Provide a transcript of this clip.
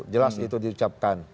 jelas itu diucapkan